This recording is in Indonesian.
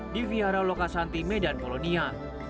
di vihara lokasanti medan kolonia